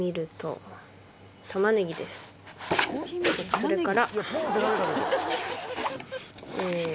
それから。